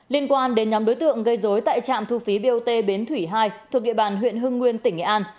liên quan đến nhóm đối tượng gây dối tại trạm thu phí bot bến thủy hai thuộc địa bàn huyện hưng nguyên tỉnh nghệ an